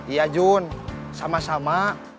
iya jun sama sama